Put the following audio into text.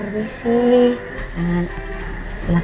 tidur sama aku